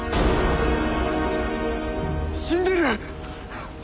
死んでる！